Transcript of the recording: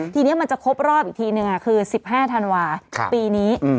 ทีนี้มันจะครบรอบอีกทีนึงคือ๑๕ธันวาปีนี้